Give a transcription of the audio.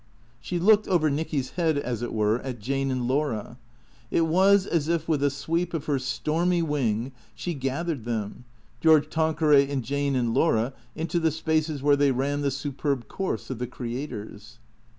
She looked, over Nicky's head as it were, at Jane and Laura. It was as if with a sweep of her stormy wing she gathered them, George Tanqueray and Jane and Laura, into the spaces where they ran the superb course of the creators.